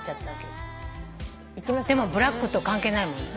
でもブラックと関係ないもんね。